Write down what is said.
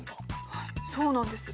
はいそうなんです。